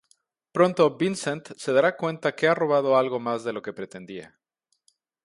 Pronto Vincent se dará cuenta que ha robado algo más de lo que pretendía.